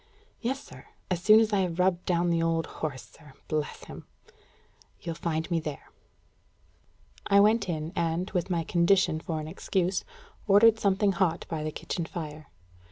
"Yes, sir. As soon as I have rubbed down the old horse, sir bless him!" "You'll find me there." I went in, and, with my condition for an excuse, ordered something hot by the kitchen fire.